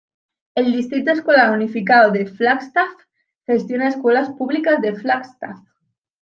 El Distrito Escolar Unificado de Flagstaff gestiona escuelas públicas de Flagstaff.